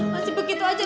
masih begitu aja lu